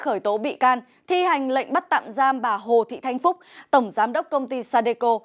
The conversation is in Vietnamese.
khởi tố bị can thi hành lệnh bắt tạm giam bà hồ thị thanh phúc tổng giám đốc công ty sadeco